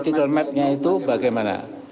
critical mapnya itu bagaimana